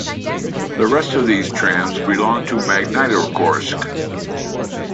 The rest of these trams belonged to Magnitogorsk.